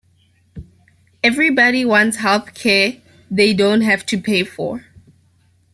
Everybody wants health care they don't have to pay for.